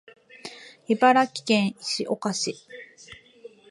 茨城県石岡市